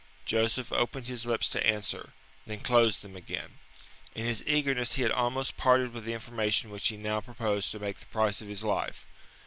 Joseph opened his lips to answer, then closed them again. In his eagerness he had almost parted with the information which he now proposed to make the price of his life.